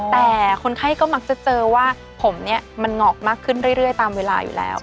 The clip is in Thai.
แต่คนไข้ก็มักจะเจอว่าผมเนี่ยมันหงอกมากขึ้นเรื่อยตามเวลาอยู่แล้ว